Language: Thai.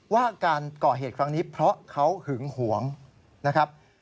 ว่าการก่อเหตุครั้งนี้เพราะเขาหึงหวงนะครับ